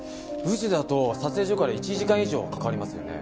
宇治だと撮影所から１時間以上はかかりますよね。